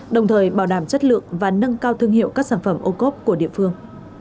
đồng thời bảo đảm chất lượng và nâng cao thương hiệu các sản phẩm ô cốp của địa phương